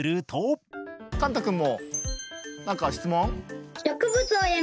かんたくんも何か質問？